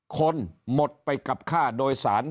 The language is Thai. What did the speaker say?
คนหมดไปกับค่าโดยสาร